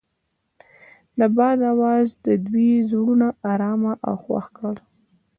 د باد اواز د دوی زړونه ارامه او خوښ کړل.